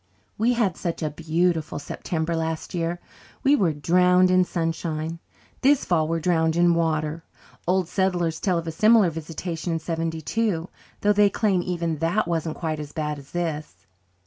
We had such a bee yew tiful September last year. We were drowned in sunshine. This fall we're drowned in water. Old settlers tell of a similar visitation in '72, though they claim even that wasn't quite as bad as this."